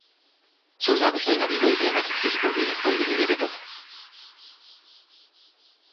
Jsou závislé na vývoji klimatických podmínek v období vegetace.